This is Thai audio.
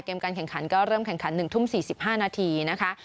การแข่งขันก็เริ่มแข่งขัน๑ทุ่ม๔๕นาทีนะคะ